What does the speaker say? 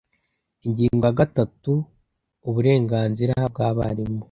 Ingingo ya gatatu Uburenganzira bw abarimu